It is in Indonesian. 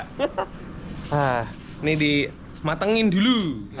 ini dimatengin dulu